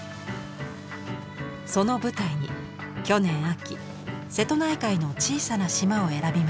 その舞台に去年秋瀬戸内海の小さな島を選びました。